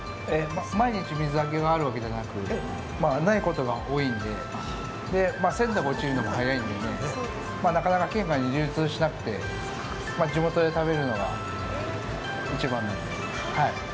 毎日水揚げがあるわけじゃなく、ないことが多いので、鮮度が落ちるのも早いのでなかなか県外に流通しなくて地元で食べるのが一番。